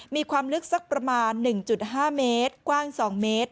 มีความลึกสักประมาณหนึ่งจุดห้าเมตรกว้างสองเมตร